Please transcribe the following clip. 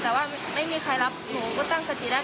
แต่ว่าไม่มีใครรับหนูก็ตั้งสติได้